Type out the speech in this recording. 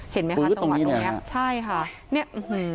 เห็นไหมคะตรงนี้แหละใช่ค่ะ